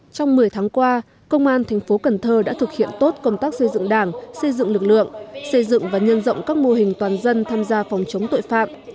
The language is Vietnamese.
trong một mươi tháng qua công an thành phố cần thơ đã thực hiện tốt công tác xây dựng đảng xây dựng lực lượng xây dựng và nhân rộng các mô hình toàn dân tham gia phòng chống tội phạm